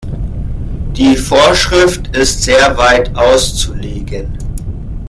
Die Vorschrift ist sehr weit auszulegen.